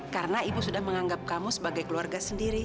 karena ibu sudah menganggap kamu sebagai kesehatan